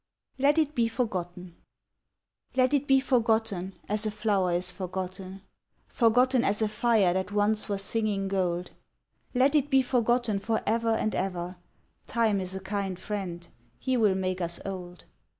"Let It Be Forgotten" Let it be forgotten, as a flower is forgotten, Forgotten as a fire that once was singing gold, Let it be forgotten for ever and ever, Time is a kind friend, he will make us old.